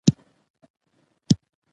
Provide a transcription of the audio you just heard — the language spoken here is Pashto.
خپلې ژبې ته مینه ورکړو.